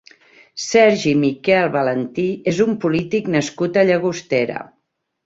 Sergi Miquel Valentí és un polític nascut a Llagostera.